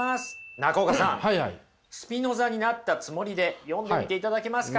中岡さんスピノザになったつもりで読んでみていただけますか？